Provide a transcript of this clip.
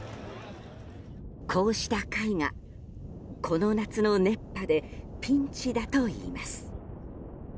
こうした貝が、この夏の熱波でピンチだといいます。